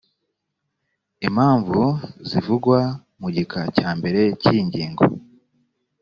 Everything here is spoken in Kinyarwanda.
impamvu zivugwa mu gika cya mbere cy’iyi ngingo